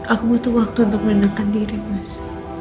aku butuh waktu untuk menekan diri mas